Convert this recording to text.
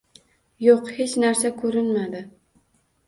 Yo‘q, hech narsa ko‘rinmadi.